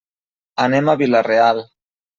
Anem a Vila-real.